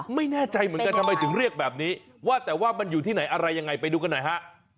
ไม่แน่ใจเหมือนกันทำไมถึงเรียกแบบนี้ว่าแต่ว่ามันอยู่ที่ไหนอะไรยังไงไปดูกันหน่อยฮะ